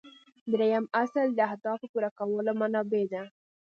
دریم اصل د اهدافو پوره کولو منابع دي.